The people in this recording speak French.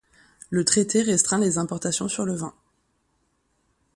Le traité restreint les importations sur le vin.